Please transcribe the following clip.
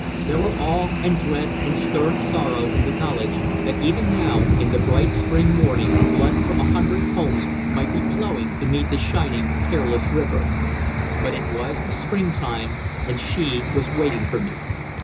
There were awe and dread and stern sorrow in the knowledge that even now in the bright spring morning blood from a hundred homes might be flowing to meet the shining, careless river; but it was the springtime, and she was waiting for me.